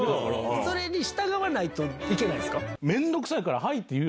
それに従わないといけないんすか？